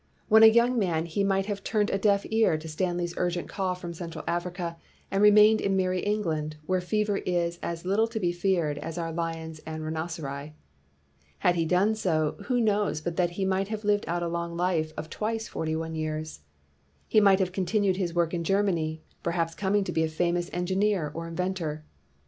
When a young man he might have turned a deaf ear to Stanley's urgent call from Central Africa and remained in merry England, where fever is as little to be feared as are lions and rhinoceri. Had he done so, who knows but that he might have lived out a long life of twice forty one years. He might have continued his work in Germany, perhaps coming to be a famous engineer or inventor.